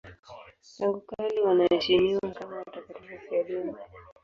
Tangu kale wanaheshimiwa kama watakatifu wafiadini.